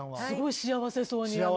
すごい幸せそうに。